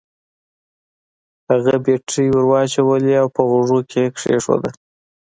هغه بېټرۍ ور واچولې او په غوږو کې يې کېښوده.